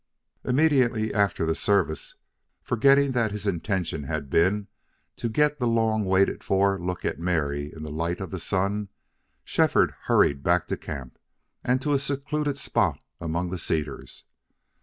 Immediately after the service, forgetting that his intention had been to get the long waited for look at Mary in the light of the sun, Shefford hurried back to camp and to a secluded spot among the cedars.